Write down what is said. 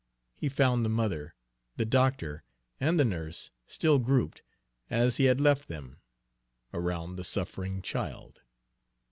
He found the mother, the doctor, and the nurse still grouped, as he had left them, around the suffering child.